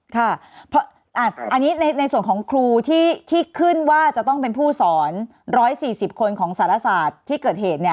ค่ะอ่าอันนี้ในในส่วนของครูที่ที่ขึ้นว่าจะต้องเป็นผู้สอนร้อยสี่สิบคนของศาลศาสตร์ที่เกิดเหตุเนี่ย